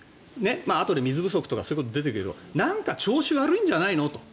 あとで水不足とか出てくるけどなんか調子悪いんじゃないのと。